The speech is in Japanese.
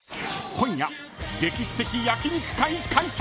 ［今夜歴史的焼肉会開催！］